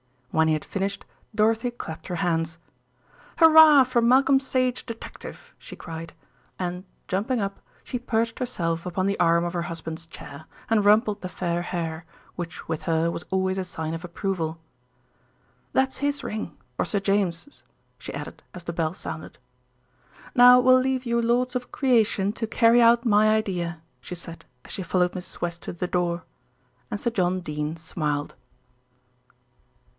When he had finished, Dorothy clapped her hands. "Hurrah! for Malcolm Sage, Detective," she cried and, jumping up, she perched herself upon the arm of her husband's chair, and rumpled the fair hair, which with her was always a sign of approval. "That's his ring, or Sir James's," she added as the bell sounded. "Now we'll leave you lords of creation to carry out my idea," she said as she followed Mrs. West to the door. And Sir John Dene smiled.